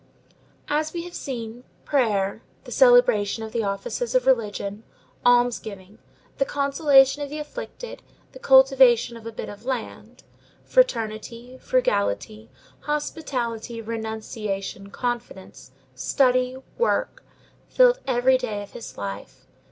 As we have seen, prayer, the celebration of the offices of religion, alms giving, the consolation of the afflicted, the cultivation of a bit of land, fraternity, frugality, hospitality, renunciation, confidence, study, work, filled every day of his life.